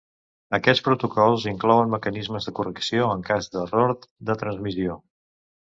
Aquests protocols inclouen mecanismes de correcció en cas d'errors de transmissió.